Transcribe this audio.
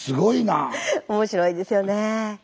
面白いですよねぇ。